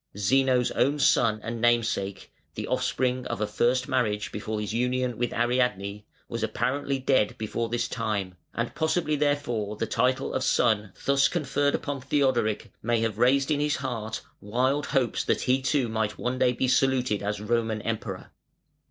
Zeno's own son and namesake (the offspring of a first marriage before his union with Ariadne) was apparently dead before this time; and possibly therefore the title of son thus conferred upon Theodoric may have raised in his heart wild hopes that he too might one day be saluted as Roman Emperor.